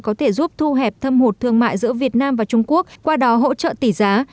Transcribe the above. có thể giúp thu hẹp thâm hụt thương mại giữa việt nam và trung quốc qua đó hỗ trợ tỷ giá